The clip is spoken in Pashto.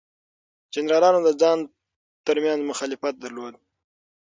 جنرالانو د ځان ترمنځ مخالفت درلود.